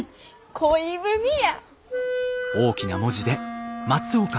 恋文や！